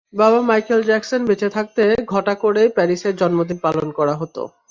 বাবা Michael Jackson বেঁচে থাকতে ঘটা করেই প্যারিসের জন্মদিন পালন করা হতো।